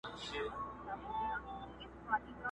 نه به شور د توتکیو نه به رنګ د انارګل وي،